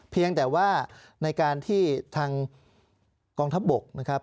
เพียงแต่ว่าในการที่ทางกองทัพบกนะครับ